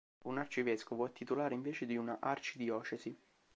Un arcivescovo è titolare invece di una arcidiocesi.